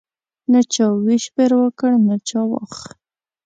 نه چا ویش پر وکړ نه چا واخ.